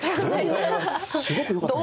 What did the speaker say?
すごくよかったよ。